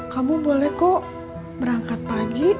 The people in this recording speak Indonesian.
kamu boleh kok berangkat pagi